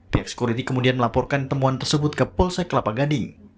pihak sekuriti kemudian melaporkan temuan tersebut ke polsek kelapa gading